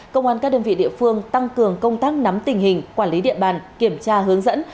công an các đơn vị địa phương tăng cường công tác nắm tình hình quản lý địa bàn kiểm tra hướng dẫn